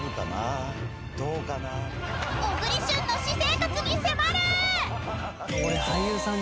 小栗旬の私生活に迫る。